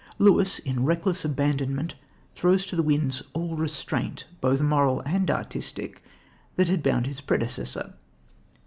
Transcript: Lewis, in reckless abandonment, throws to the winds all restraint, both moral and artistic, that had bound his predecessor.